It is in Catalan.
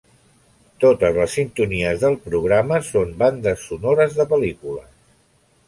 Totes les sintonies del programa són bandes sonores de pel·lícules.